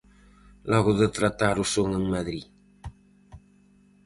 Logo de tratar o son en Madrid.